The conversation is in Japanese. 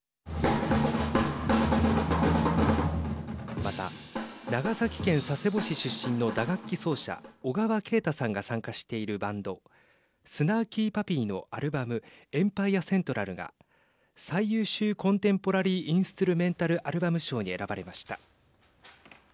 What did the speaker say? また、長崎県佐世保市出身の打楽器奏者、小川慶太さんが参加しているバンドスナーキー・パピーのアルバムエンパイア・セントラルが最優秀コンテンポラリー・インストゥルメンタル・アルバム賞に選ばれました。